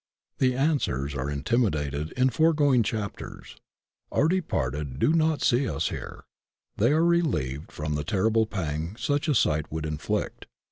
The answers are intimated in foregoing chapters. Our departed do not see us here. They are reUeved from the terrible pang such a sight would inflict.